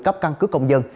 cấp căn cứ công dân